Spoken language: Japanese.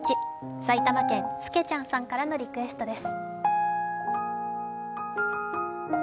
埼玉県、すけちゃんさんからのリクエストです。